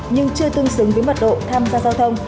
nhưng chưa tương xứng với mật độ tham gia giao thông